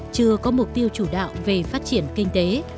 chưa có mục tiêu chủ đạo về phát triển kinh tế